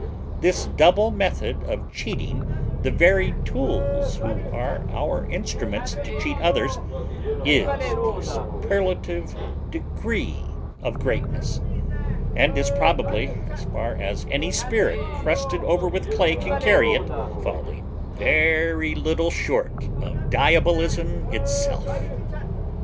This double method of cheating the very tools who are our instruments to cheat others is the superlative degree of greatness, and is probably, as far as any spirit crusted over with clay can carry it, falling very little short of diabolism itself.